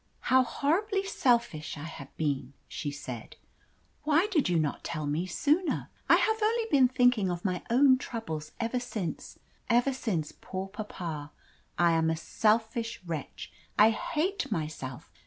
"How horribly selfish I have been!" she said. "Why did you not tell me sooner? I have only been thinking of my own troubles ever since ever since poor papa I am a selfish wretch! I hate myself!